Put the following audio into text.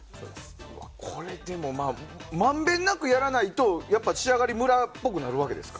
まんべんなくやらないと仕上がりムラっぽくなるわけですか？